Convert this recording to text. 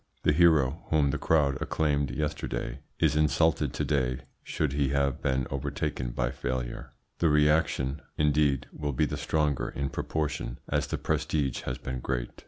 The hero whom the crowd acclaimed yesterday is insulted to day should he have been overtaken by failure. The reaction, indeed, will be the stronger in proportion as the prestige has been great.